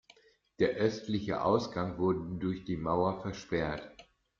Der östliche Ausgang wurde durch die Mauer versperrt.